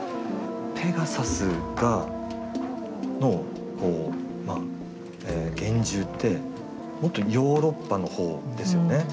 ペガサスがのこうまあ幻獣ってもっとヨーロッパの方ですよね。